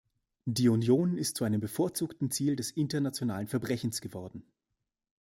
Die Union ist zu einem bevorzugten Ziel des internationalen Verbrechens geworden.